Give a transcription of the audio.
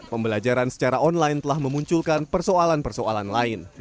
pembelajaran secara online telah memunculkan persoalan persoalan lain